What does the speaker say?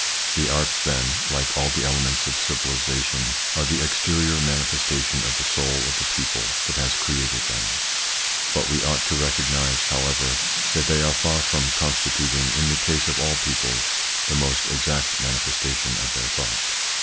The arts then, like all the elements of a civilisation, are the exterior manifestation of the soul of the people that has created them ; but we ought to recognise, however, that they are far from constituting in the case of all peoples the most exact manifestation of their thought.